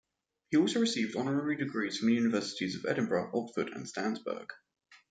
He also received honorary degrees from the universities of Edinburgh, Oxford and Strasbourg.